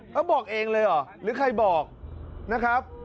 เขาบอกเองเลยหรือใครบอกนะครับ